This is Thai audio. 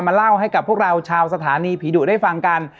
เล่าให้กับพวกเราชาวสถานีผีดุได้ฟังกัน